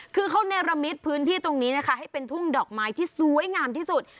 คือเขาเนรมิตพื้นที่ตรงนี้นะคะให้เป็นทุ่งดอกไม้ที่สวยงามที่สุด